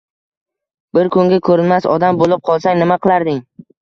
Bir kunga ko‘rinmas odam bo‘lib qolsang, nima qilarding?